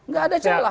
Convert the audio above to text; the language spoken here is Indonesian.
gak ada celah